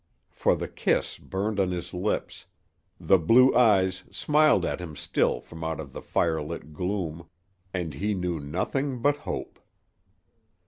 For the kiss burned on his lips, the blue eyes smiled at him still from out of the firelit gloom, and he knew nothing but hope.